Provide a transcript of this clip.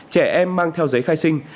trẻ em mang theo giấy khai sinh